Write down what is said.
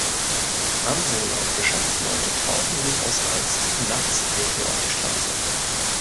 Anwohner und Geschäftsleute trauten sich aus Angst nachts nicht mehr auf die Straße.